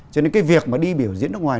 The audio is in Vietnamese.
cho nên cái việc mà đi biểu diễn nước ngoài